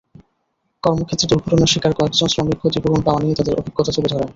কর্মক্ষেত্রে দুর্ঘটনার শিকার কয়েকজন শ্রমিক ক্ষতিপূরণ পাওয়া নিয়ে তাঁদের অভিজ্ঞতা তুলে ধরেন।